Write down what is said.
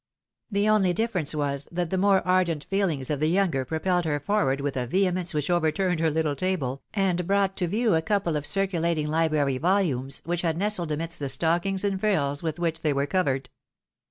" The only difference was, that the more ardent feelings of the younger propelled her forward with a vehemence which over turned her httle table, and brought to view a couple of circulat ing library volumes which had nestled amidst the stockings and friUs with which they were covered.